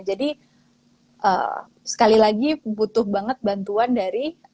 jadi sekali lagi butuh banget bantuan dari